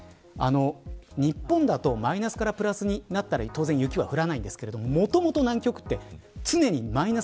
日本だとマイナスからプラスになったら当然、雪は降らないんですけどもともと南極は常にマイナス